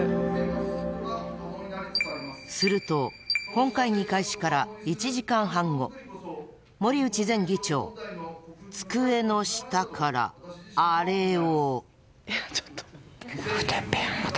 すると本会議開始から１時間半後森内前議長、机の下からあれを。